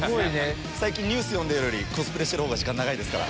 最近ニュース読んでるよりコスプレしてる時間が長いです。